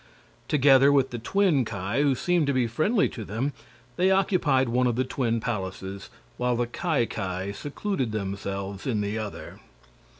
Together with the twin Ki, who seemed to be friendly to them, they occupied one of the twin palaces, while the Ki Ki secluded themselves in the other.